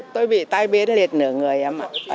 tôi bị tai biến liệt nửa người em ạ